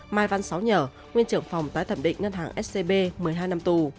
mai văn sáu nhở nguyên trưởng phòng tái thẩm định ngân hàng scb một mươi hai năm tù